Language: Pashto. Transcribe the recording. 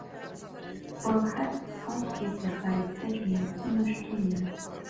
په هر ښار کې د ښایسته جوماتونو شتون دی.